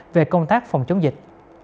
về công tác phòng chống dịch